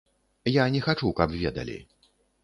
Я не хачу, каб ведалі.